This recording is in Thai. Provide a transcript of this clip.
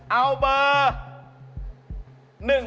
เอาเบอร์